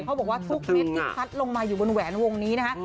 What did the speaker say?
บอกว่าทุกเม็ดที่พัดลงมาอยู่บนแหวนวงนี้นะคะ